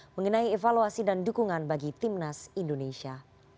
mengenai evaluasi dan dukungan bagi timnas indonesia